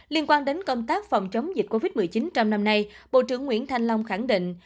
liên quan đến công tác phòng chống dịch covid một mươi chín trong năm nay bộ trưởng nguyễn thanh long khẳng định